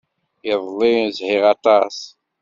Iḍelli, zhiɣ aṭas.